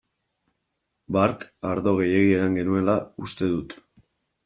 Bart ardo gehiegi edan genuela uste dut.